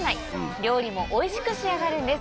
料理もおいしく仕上がるんです。